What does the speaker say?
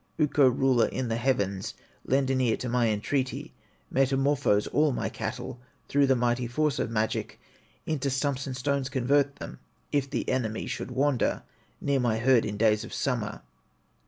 "Ukko, ruler in the heavens, Lend an ear to my entreaty, Metamorphose all my cattle, Through the mighty force of magic, Into stumps and stones convert them, If the enemy should wander, Near my herd in days of summer.